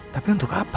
tapi untuk apa